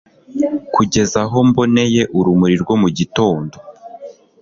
kugeza aho mboneye urumuri rwo mu gitondo